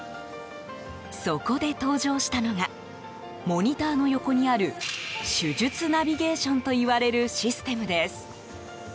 そこで登場したのがモニターの横にある手術ナビゲーションといわれるシステムです。